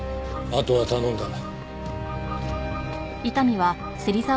あとは頼んだ。